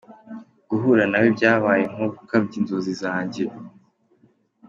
Guhura nawe byabaye nko gukabya inzozi zanjye.